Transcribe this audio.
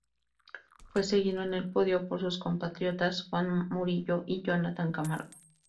Fue seguido en el podio por sus compatriotas Juan Murillo y Jonathan Camargo.